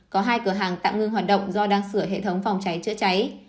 có hai cửa hàng tạm ngưng hoạt động do đang sửa hệ thống phòng cháy chữa cháy